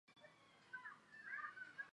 普军主力环绕这个突出部成半圆形展开。